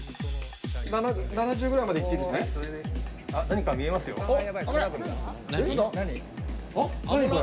７０ぐらいまでいっていいんですね？